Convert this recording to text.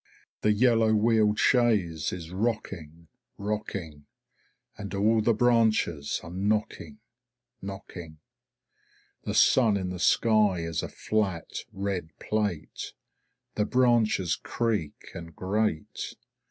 The yellow wheeled chaise is rocking rocking, and all the branches are knocking knocking. The sun in the sky is a flat, red plate, the branches creak and grate.